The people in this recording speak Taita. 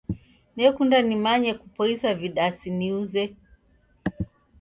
Nekunda nimanye kupoisa vidasi niuze.